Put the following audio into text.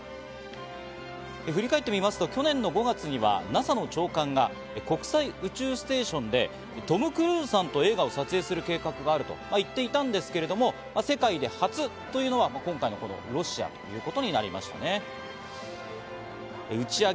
振り返ってみますと去年の５月にはＮＡＳＡの長官が、国際宇宙ステーションでトム・クルーズさんと映画を撮影する計画があると言っていたんですけれど、世界で初めて宇宙での映画撮影に挑むペレシルドさんたち。